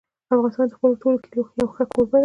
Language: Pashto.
افغانستان د خپلو ټولو کلیو یو ښه کوربه دی.